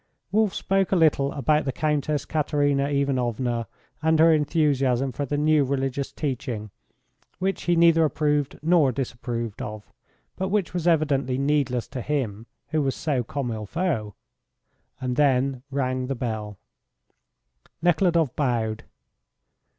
Wolf spoke a little about the Countess Katerina Ivanovna and her enthusiasm for the new religious teaching, which he neither approved nor disapproved of, but which was evidently needless to him who was so comme il faut, and then rang the bell. Nekhludoff bowed.